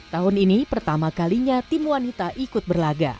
tahun ini pertama kalinya tim wanita ikut berlaga